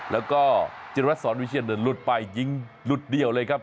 แล้วก็จิรวัตรสอนวิเชียนหลุดไปยิงหลุดเดี่ยวเลยครับ